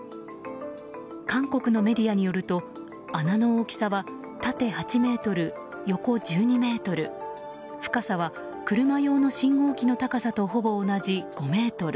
韓国のメディアによると穴の大きさは縦８ｍ、横１２ｍ深さは車用の信号機の高さとほぼ同じ５ｍ。